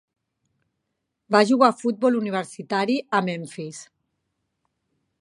Va jugar a futbol universitari a Memphis.